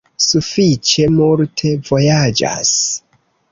Sufiĉe multe vojaĝas.